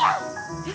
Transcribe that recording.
えっ？